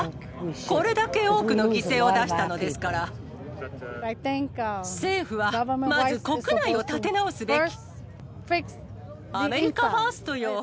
これだけ多くの犠牲を出したので政府はまず、国内を立て直すべき。